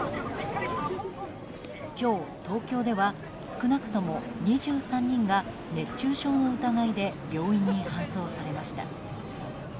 今日、東京では少なくとも２３人が熱中症の疑いで病院に搬送されました。